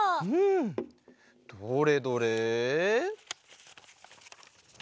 うんどれどれ？